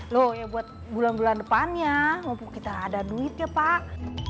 loh ya buat bulan bulan depannya kita ada duit ya pak